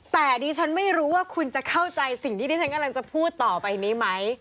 แต่ดิฉันไม่รู้ว่าคุณจะเข้าใจสิ่งที่ที่ฉันกำลังจะพูดต่อไปนี้ไหม